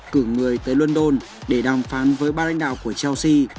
cử người tới london để đàm phán với ba lãnh đạo của chelsea